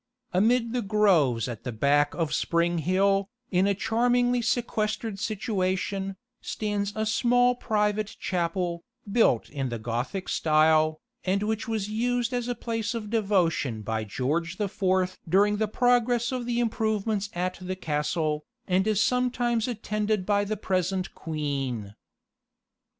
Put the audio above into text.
Amid the groves at the back of Spring Hill, in a charmingly sequestered situation, stands a small private chapel, built in the Gothic style, and which was used as a place of devotion by George the Fourth during the progress of the improvements at the castle, and is sometimes attended by the present queen.